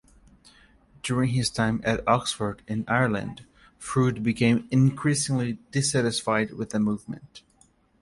During his time at Oxford and Ireland, Froude became increasingly dissatisfied with the Movement.